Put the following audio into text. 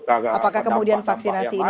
apakah kemudian vaksinasi ini